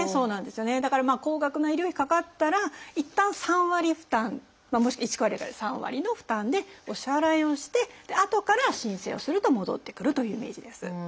だから高額な医療費かかったらいったん３割負担もしくは１割から３割の負担でお支払いをしてあとから申請をすると戻ってくるというイメージです。